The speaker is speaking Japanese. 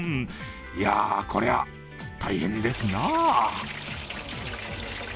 いやあ、こりゃ大変ですな。